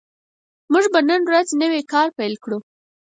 موږ به نن ورځ نوی کار پیل کړو